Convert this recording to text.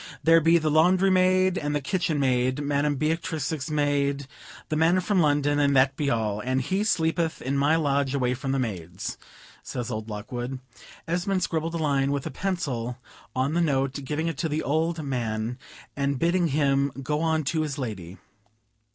"There be the laundry maid, and the kitchen maid, Madam Beatrix's maid, the man from London, and that be all; and he sleepeth in my lodge away from the maids," says old Lockwood. Esmond scribbled a line with a pencil on the note, giving it to the old man, and bidding him go on to his lady.